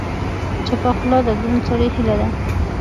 چپه خوله، د دروند سړي هیله ده.